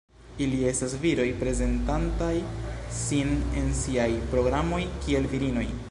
Ili estas viroj prezentantaj sin en siaj programoj kiel virinoj.